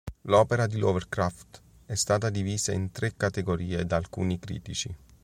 L'opera di Lovecraft è stata divisa in tre categorie da alcuni critici.